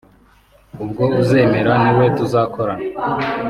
ubwo uzemera ni we tuzakorana”